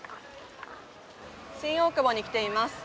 新大久保に来ています。